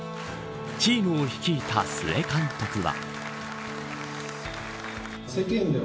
チームを率いた須江監督は。